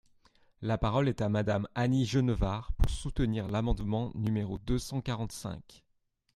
La parole est à Madame Annie Genevard, pour soutenir l’amendement numéro deux cent quarante-cinq.